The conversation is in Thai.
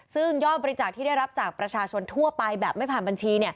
ซึ่งยอดบริจาคที่ได้รับจากประชาชนทั่วไปแบบไม่ผ่านบัญชี